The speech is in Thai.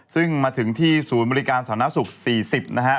ซึ่งมาถึงที่ศูนย์บริการสาธารณสุข๔๐นะฮะ